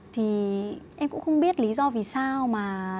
thì em cũng không biết lý do vì sao mà